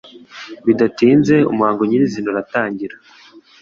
Bidatinze umuhango nyirizina uratangira,